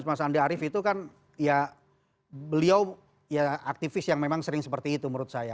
mas andi arief itu kan ya beliau ya aktivis yang memang sering seperti itu menurut saya